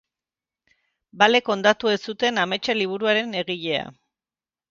Balek hondatu ez zuten ametsa liburuaren egilea.